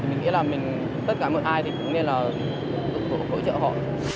thì mình nghĩ là mình tất cả mọi ai thì cũng nên là giúp đỡ hỗ trợ họ